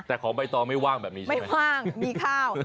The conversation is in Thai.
แต่ของใบตองไม่ว่างแบบนี้ใช่ไหมว่างมีข้าว